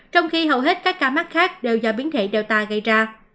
trong khi hầu hết các ca mắc khác đều do biến thể data gây ra